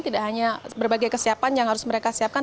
tidak hanya berbagai kesiapan yang harus mereka siapkan